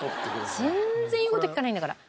全然言う事聞かないんだから。